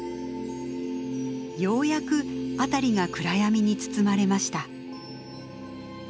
ようやく辺りが暗闇に包まれました。